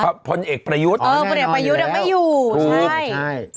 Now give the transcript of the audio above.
พลเอกประยุทธอ๋อพลเอกประยุทธจะไม่อยู่ใช่